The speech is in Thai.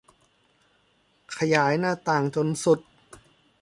ขยายหน้าต่างจนสุด